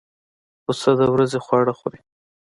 پسه د ورځې خواړه خوري.